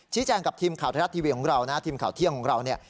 ชี้แจงกับทีมข่าวทรัฐทีวีของเรานะ